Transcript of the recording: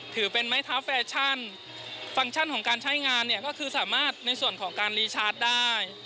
ถือเป็นไม้เท้าแฟชั่นฟังก์ชั่นของการใช้งานเนี่ยก็คือสามารถในส่วนของการรีชาร์จได้